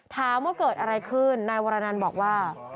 ถามว่าเกิดอะไรขึ้นนายวรนันบอกว่า